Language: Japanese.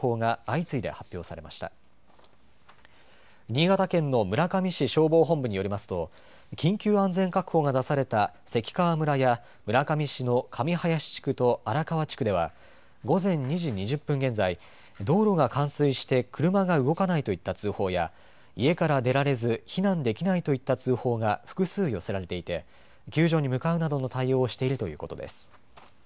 新潟県の村上市消防本部によりますと緊急安全確保が出された関川村や村上市の神林地区と荒川地区では午前２時２０分現在道路が冠水して車が動かないといった通報や家から出られず避難できないといった通報が複数寄せられていて救助に向かうなどの対応をしているということです。